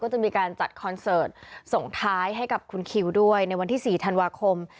จะมีการจัดคอนเสิร์ตส่งท้ายให้กับคุณคิวด้วยในวันที่๔ธันวาคม